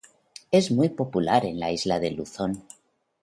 Es muy popular en la isla de Luzón.